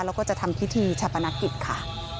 แล้วก็จะทำคิดที่ชัพนาคิดค่ะ